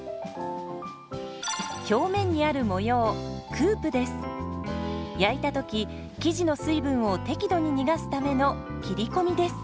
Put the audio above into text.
表面にある模様焼いた時生地の水分を適度に逃がすための切り込みです。